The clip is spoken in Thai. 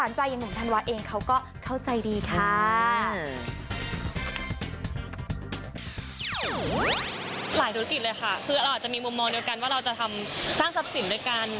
มีมุมมองเดียวกันว่าเราจะทำสร้างทรัพย์สินด้วยกัน